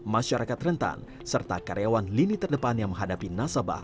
masyarakat rentan serta karyawan lini terdepan yang menghadapi nasabah